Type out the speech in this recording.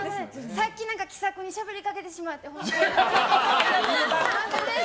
さっき気さくにしゃべりかけてしまってほんまに。